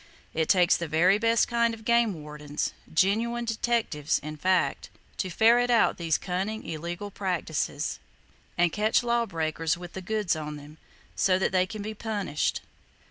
It takes the very [Page 66] best kind of game wardens,—genuine detectives, in fact,—to ferret out these cunning illegal practices, and catch lawbreakers "with the goods on them," so that they can be punished.